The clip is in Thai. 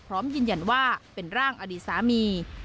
พร้อมยืนยันว่าเป็นร่างอดีตสามี